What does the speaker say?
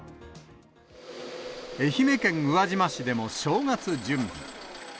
愛媛県宇和島市でも正月準備。